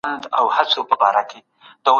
کوي به زموږ پالنه